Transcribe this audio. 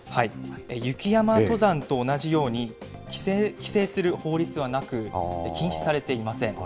雪山登山と同じように、規制する法律はなく、禁止されていません。